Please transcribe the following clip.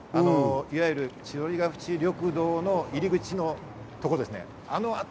いわゆる千鳥ヶ淵緑道の入り口のところですね。